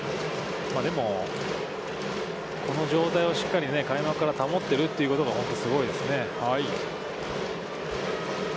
でも、この状態をしっかり開幕から保ってるというのは、本当にすごいですね。